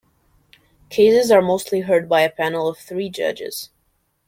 Cases are mostly heard by a panel of three judges.